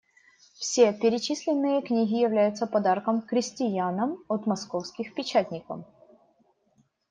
Все перечисленные книги являются подарком крестьянам от Московских печатников.